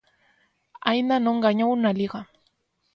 Aínda non gañou na Liga.